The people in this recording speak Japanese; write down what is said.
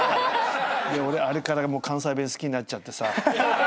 「俺あれから関西弁好きになっちゃってさ」